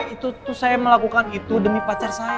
itu saya melakukan itu demi pacar saya